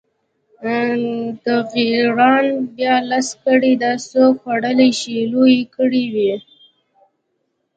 د غیراڼ بیا لس کړۍ، دا څوک خوړلی شي، لویې کړۍ وې.